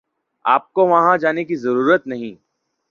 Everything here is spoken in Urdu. آپ کو وہاں جانے کی ضرورت نہیں